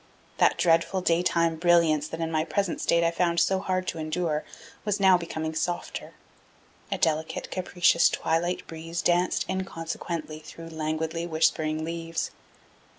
That dreadful daytime brilliance that in my present state I found so hard to endure was now becoming softer. A delicate, capricious twilight breeze danced inconsequently through languidly whispering leaves.